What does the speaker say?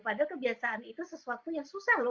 padahal kebiasaan itu sesuatu yang susah loh